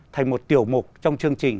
thành một tiểu mục trong chương trình